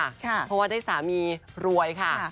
เพราะว่าได้สามีรวยค่ะ